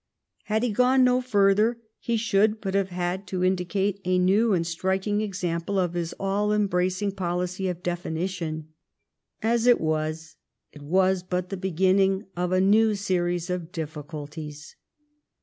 Had he gone no further, we should but have had to indicate a new and striking example of his all embracing policy of definition. As it was, it was but the beginning of a new series of difficulties.